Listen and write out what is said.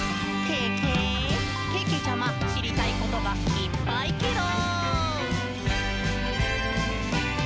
けけちゃま、しりたいことがいっぱいケロ！」